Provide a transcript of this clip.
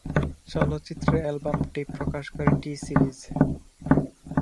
চলচ্চিত্রের অ্যালবামটি প্রকাশ করে টি-সিরিজ।